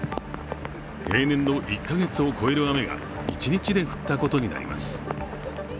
平年の１カ月を超える雨が一日で降ったことになります。